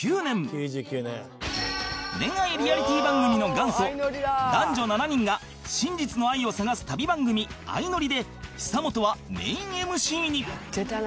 恋愛リアリティ番組の元祖男女７人が真実の愛を探す旅番組『あいのり』で久本はメイン ＭＣ に